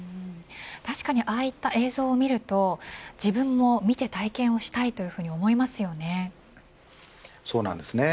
確かにああいった映像を見ると自分も見て体験をしたいとそうなんですね。